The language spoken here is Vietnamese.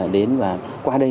đến và qua đây